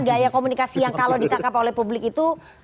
gaya komunikasi yang kalau ditangkap oleh publik itu